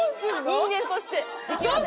人間としてできませんと。